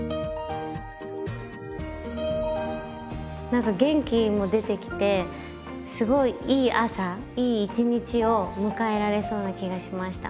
何か元気も出てきてすごいいい朝いい一日を迎えられそうな気がしました。